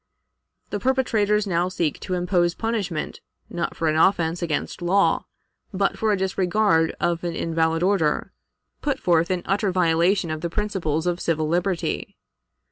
The perpetrators now seek to impose punishment, not for an offense against law, but for a disregard of an invalid order, put forth in utter violation of the principles of civil liberty.